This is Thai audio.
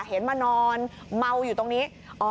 เห็นมานอนเมาอยู่ตรงนี้